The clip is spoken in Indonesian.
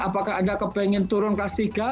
apakah anda ke pengen turun kelas tiga